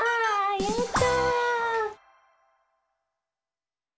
やった！